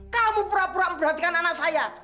kamu pura pura memperhatikan anak saya